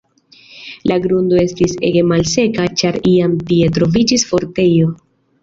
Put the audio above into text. La grundo estis ege malseka, ĉar iam tie troviĝis torfejo.